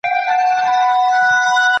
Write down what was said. ایا مسلکي بڼوال وچ زردالو اخلي؟